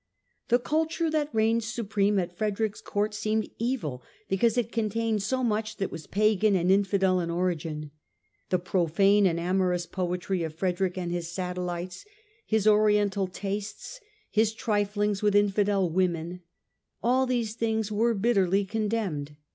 The culture that reigned supreme at Frederick's Court seemed evil because it contained so much that was pagan and infidel in origin. The profane and amorous poetry of Frederick and his satellites, his Oriental tastes, his triflings with infidel women, all these things were bitterly condemned.